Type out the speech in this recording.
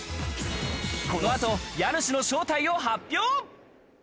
この後、家主の正体を発表。